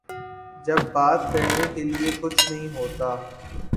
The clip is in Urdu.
جب بات کرنے کیلئے کچھ نہیں ہوتا۔